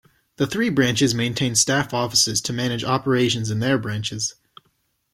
The three branches maintain staff offices to manage operations in their branches.